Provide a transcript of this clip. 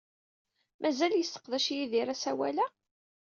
Mazal yesseqdac Yidir asawal-a?